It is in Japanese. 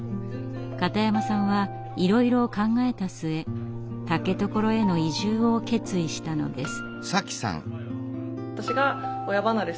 片山さんはいろいろ考えた末竹所への移住を決意したのです。